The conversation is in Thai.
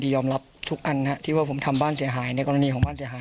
เจอกันวันไหนคะ